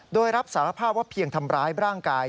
โดยรับสารภาพว่าเพียงทำร้ายร่างกาย